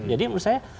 jadi menurut saya